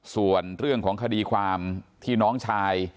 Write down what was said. ส่วนเรื่องของคดีความที่น้องชาย